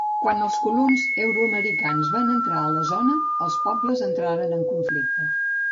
Quan els colons euroamericans van entrar a la zona, els pobles entraren en conflicte.